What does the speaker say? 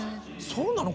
そうなの？